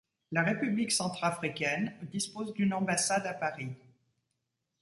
La République centrafricaine dispose d'une ambassade à Paris.